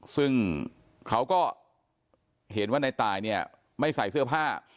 ซึ่งเขาก็เห็นว่าในตายเนี่ยไม่ใส่เสื้อผ้า